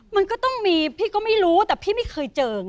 มันก็ต้องมีพี่ก็ไม่รู้แต่พี่ไม่เคยเจอไง